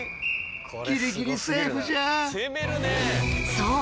そう！